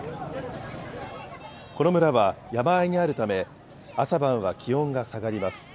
この村は山あいにあるため、朝晩は気温が下がります。